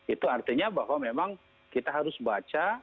itu artinya bahwa memang kita harus baca